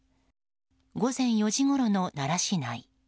午前４時ごろの奈良市内。